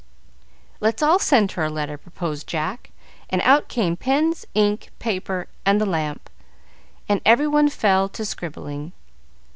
"Let's all send her a letter," proposed Jack, and out came pens, ink, paper, and the lamp, and every one fell to scribbling.